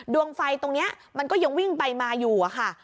ดวงไฟตรงนี้มันก็ยังวิ่งไปมาอยู่อะค่ะ